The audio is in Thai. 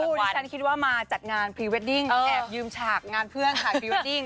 คุณดิฉันคิดว่ามาจัดงานพรีเวดดิ้งแอบยืมฉากงานเพื่อนถ่ายพรีเวดดิ้ง